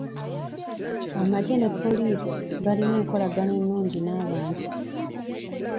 Amagye ne poliisi balina enkolagana ennungi n'abantu.